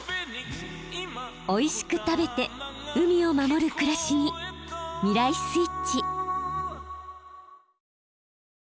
おいしく食べて海を守る暮らしに未来スイッチ。